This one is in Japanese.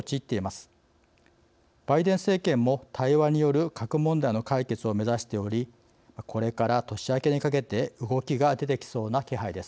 バイデン政権も対話による核問題の解決を目指しておりこれから年明けにかけて動きが出てきそうな気配です。